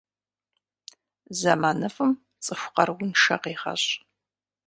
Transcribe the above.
Зэманыфӏым цӏыху къарууншэ къегъэщӏ.